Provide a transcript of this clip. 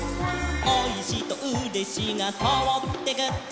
「おいしいとうれしいがとおってく」